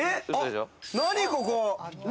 何ここ！